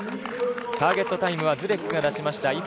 ターゲットタイムはズレックが出しました